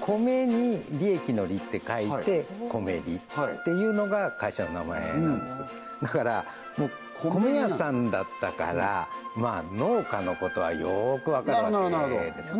米に利益の利って書いてコメリっていうのが会社の名前なんですだから米屋さんだったから農家のことはよく分かるわけです